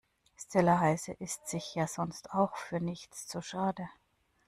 Stella Heise ist sich ja sonst auch für nichts zu schade.